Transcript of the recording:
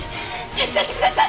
手伝ってください！